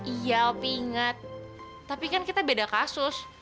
iya opi ingat tapi kan kita beda kasus